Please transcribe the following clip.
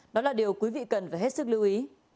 đó là điều quý vị cần phải hết sức lưu ý